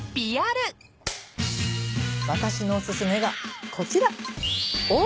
私のお薦めがこちら。